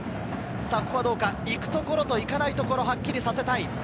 行くところと行かないところをはっきりさせたい。